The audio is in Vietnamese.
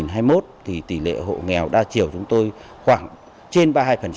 năm hai nghìn một mươi một thì tỷ lệ hộ nghèo đa chiều chúng tôi khoảng trên ba mươi hai